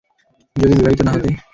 যদি বিবাহিত না হতে।